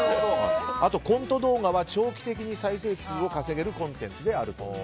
コント動画は長期的に再生数を稼げるコンテンツだと。